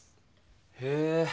へえ。